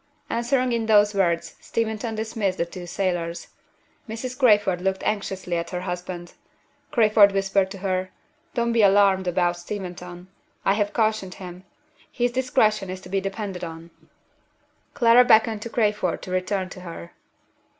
Answering in those words, Steventon dismissed the two sailors. Mrs. Crayford looked anxiously at her husband. Crayford whispered to her, "Don't be alarmed about Steventon. I have cautioned him; his discretion is to be depended on." Clara beckoned to Crayford to return to her.